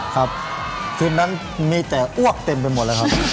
ครับคืนนั้นมีแต่อ้วกเต็มไปหมดเลยครับ